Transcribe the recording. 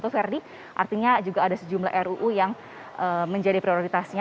verdi artinya juga ada sejumlah ruu yang menjadi prioritasnya